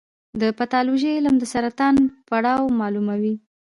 د پیتالوژي علم د سرطان پړاو معلوموي.